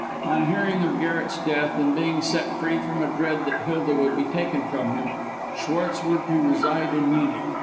On hearing of Garret's death, and being set free from a dread that Hilda would be taken from him, Schwartz went to reside in Munich.